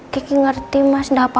kiki ngerti mas gak apa apa